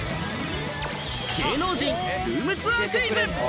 芸能人ルームツアークイズ。